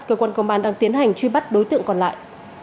cơ quan công an đang tiến hành truy bắt đối tượng còn lại